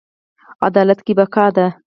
عدالت کې بقا ده